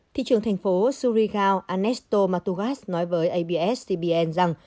thị trường thành phố surigao anesto matugas nói với abs cbn rằng